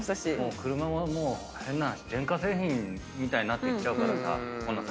車はもう変な話電化製品みたいになっていっちゃうからさこの先。